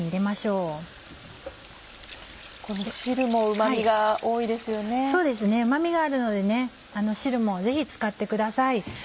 うま味があるので汁もぜひ使ってください。